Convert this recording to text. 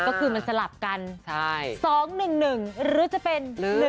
ก็คือมันสลับกัน๒๑๑หรือจะเป็น๑๑